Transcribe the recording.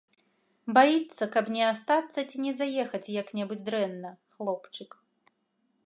Баіцца, каб не астацца ці не заехаць як-небудзь дрэнна, хлопчык.